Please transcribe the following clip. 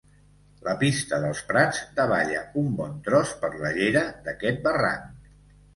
La Pista dels Prats davalla un bon tros per la llera d'aquest barranc.